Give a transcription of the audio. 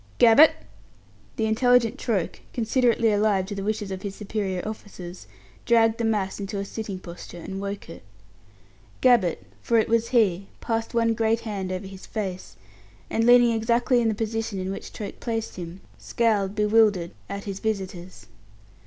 "Gabbett!" The intelligent Troke, considerately alive to the wishes of his superior officers, dragged the mass into a sitting posture. Gabbett for it was he passed one great hand over his face, and leaning exactly in the position in which Troke placed him, scowled, bewildered, at his visitors.